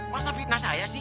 masa fitnah saya sih